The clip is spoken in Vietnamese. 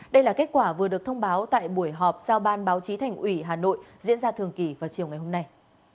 đây là kết quả vừa được thông báo tại buổi họp giao ban báo chí thành ủy hà nội diễn ra thường kỳ vào chiều ngày hôm nay